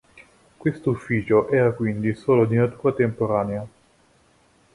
Questo ufficio era quindi solo di natura temporanea.